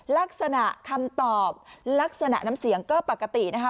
ลักษณะคำตอบลักษณะน้ำเสียงก็ปกตินะคะ